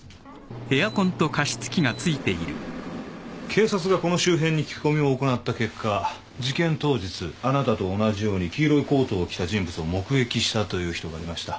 警察がこの周辺に聞き込みを行った結果事件当日あなたと同じように黄色いコートを着た人物を目撃したという人がいました。